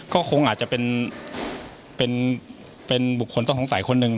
ก็คงอาจจะเป็นบุคคลต้องสงสัยคนหนึ่ง